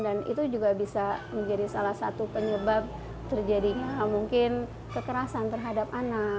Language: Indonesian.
dan itu juga bisa menjadi salah satu penyebab terjadinya mungkin kekerasan terhadap anak